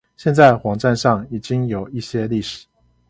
現在網站上已經有一些歷史